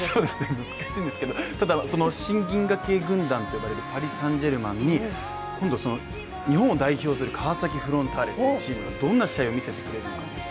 難しいんですけど、新銀河系軍団と呼ばれるパリ・サン＝ジェルマンに、今度、日本を代表する川崎フロンターレというチームがどんな試合を見せてくれるのか。